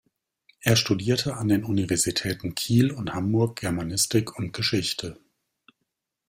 Er studierte an den Universitäten Kiel und Hamburg Germanistik und Geschichte.